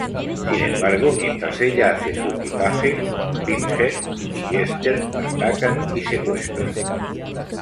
Sin embargo, mientras ella hace su equipaje, Pinhead y Jester la atacan y secuestran.